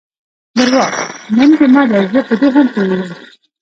درواغ، نن جمعه ده، زه په دې هم پوهېږم.